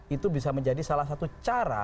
itu bisa menjadi salah satu cara